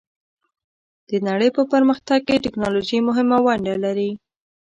د نړۍ په پرمختګ کې ټیکنالوژي مهمه ونډه لري.